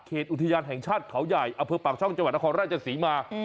อุทยานแห่งชาติเขาใหญ่อำเภอปากช่องจังหวัดนครราชศรีมา